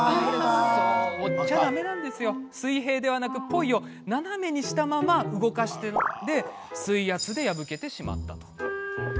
そう、水平ではなくポイを斜めにしたまま動かしたので水圧で破けてしまいました。